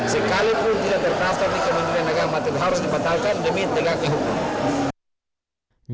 sekalipun tidak terpaksa di kemudian agama itu harus dibatalkan demi tegak kehubungan